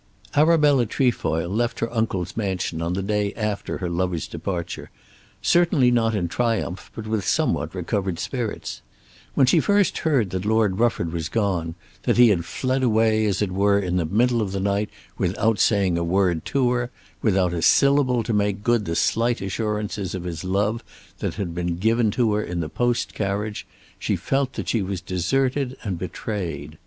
Arabella Trefoil left her uncle's mansion on the day after her lover's departure, certainly not in triumph, but with somewhat recovered spirits. When she first heard that Lord Rufford was gone, that he had fled away as it were in the middle of the night without saying a word to her, without a syllable to make good the slight assurances of his love that had been given to her in the post carriage, she felt that she was deserted and betrayed.